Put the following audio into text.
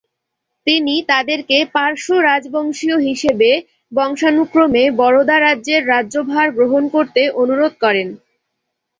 তিনি তাদেরকে পার্শ্ব রাজবংশীয় হিসেবে বংশানুক্রমে বরোদা রাজ্যের রাজ্য ভার গ্রহণ করতে অনুরোধ করেন।